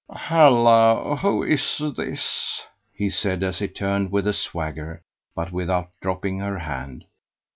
"Hallo! who is this?" he said, as he turned with a swagger, but without dropping her hand.